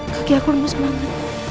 kaki aku lemes banget